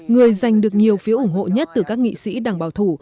người giành được nhiều phiếu ủng hộ nhất từ các nghị sĩ đảng bảo thủ